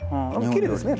きれいですね